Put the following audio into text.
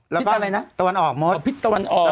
ตัวนอะไรนะตัวนออกมดตัวนออกพิษตัวนออก